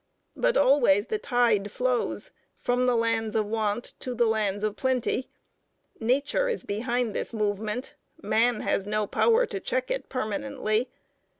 But always the tide flows from the lands of want to the lands of plenty. Nature is behind this movement; man has no power to check it permanently.